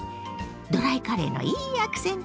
ドライカレーのいいアクセントね。